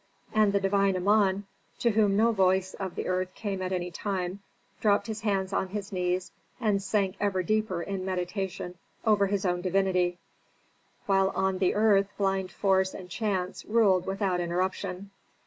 And the divine Amon, to whom no voice of the earth came at any time, dropped his hands on his knees, and sank ever deeper in meditation over his own divinity, while on the earth blind force and chance ruled without interruption.